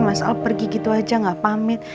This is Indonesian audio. masalah pergi gitu aja gak pamit